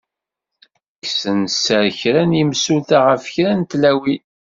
Kksen sser kra n yemsulta ɣef kra n tlawin.